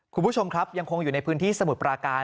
คุณผู้ชมครับยังคงอยู่ในพื้นที่สมุทรปราการ